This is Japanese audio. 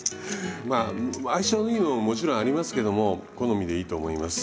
まあ相性のいいのももちろんありますけども好みでいいと思います。